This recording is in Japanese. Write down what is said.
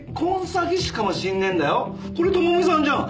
これ朋美さんじゃん。